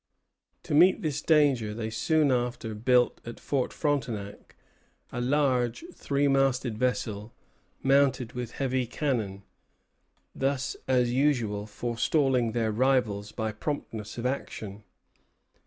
To meet this danger, they soon after built at Fort Frontenac a large three masted vessel, mounted with heavy cannon; thus, as usual, forestalling their rivals by promptness of action.